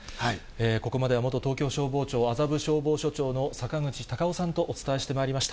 ここまでは、元東京消防庁麻布消防署長の坂口隆夫さんとお伝えしてまいりました。